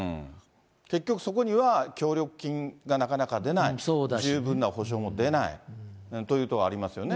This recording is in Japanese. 結局そこには、協力金がなかなか出ない、十分な補償も出ないというところがありますよね。